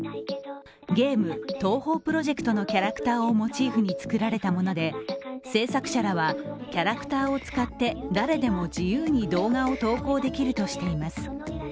ゲーム・東方Ｐｒｏｊｅｃｔのキャラクターをモチーフに作られたもので制作者らはキャラクターを使って、誰でも動画を自由に投稿できるとしています。